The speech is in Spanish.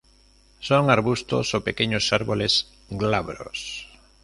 Son arbustos o pequeños árboles glabros.